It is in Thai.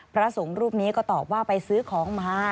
พระสงฆ์รูปนี้ก็ตอบว่าไปซื้อของมา